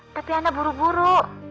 tapi anda buru buru